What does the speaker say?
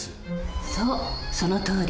そうそのとおり。